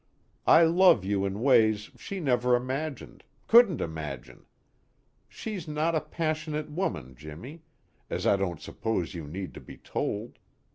I love you in ways she never imagined, couldn't imagine. She's not a passionate woman, Jimmy as I don't suppose you need to be told.